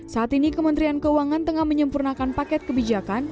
saat ini kementerian keuangan tengah menyempurnakan paket kebijakan